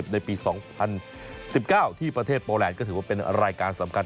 ในปี๒๐๑๙ที่ประเทศโปแลนดก็ถือว่าเป็นรายการสำคัญ